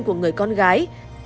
của người con gái